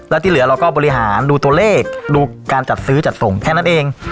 แล้วที่เหลือเราก็บริหารดูตัวเลขดูการจัดซื้อจัดส่งแค่นั้นเอง